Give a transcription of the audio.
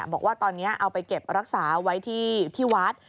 บอกว่าตอนนี้เอาไปเก็บรักษาไว้ที่วัด